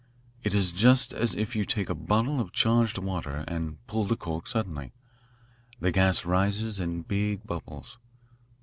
It is just as if you take a bottle of charged water and pull the cork suddenly. The gas rises in big bubbles.